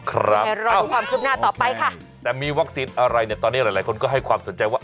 ครับโอเคแต่มีวัคซีนอะไรเนี่ยตอนนี้หลายคนก็ให้ความสนใจว่า